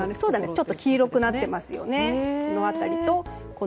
ちょっと黄色くなってますよね。